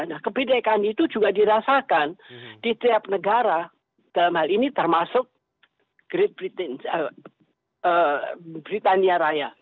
nah kebinekaan itu juga dirasakan di setiap negara dalam hal ini termasuk grade britania raya